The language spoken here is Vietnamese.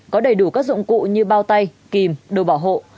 có đầy đủ các dụng cụ như bao tay kìm đồ bảo hộ